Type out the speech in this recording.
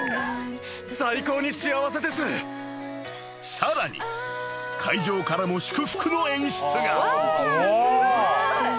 ［さらに海上からも祝福の演出が］